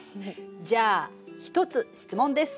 じゃあ１つ質問です。